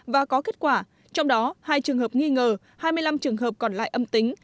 và có kết quả trong đó hai trường hợp nghi ngờ hai mươi năm trường hợp còn lại âm tính